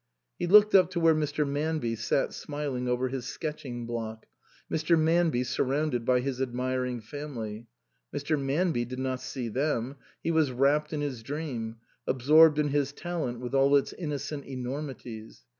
He looked up to where Mr. Manby sat smiling over his sketching block, Mr. Manby, surrounded by his admiring family. Mr. Manby did not see them ; he was wrapped in his dream, absorbed in his talent with all its innocent enormities.